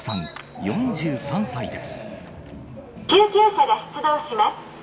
救急車が出動します。